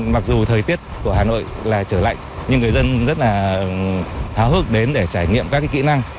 mặc dù thời tiết của hà nội là trở lạnh nhưng người dân rất là háo hức đến để trải nghiệm các kỹ năng